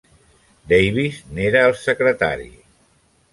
Davies n'era el secretari.